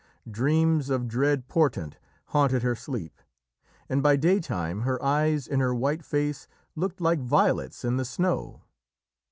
Dreams of dread portent haunted her sleep, and by daytime her eyes in her white face looked like violets in the snow.